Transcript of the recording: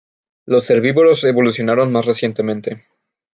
Los herbívoros evolucionaron más recientemente.